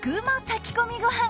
炊き込みご飯。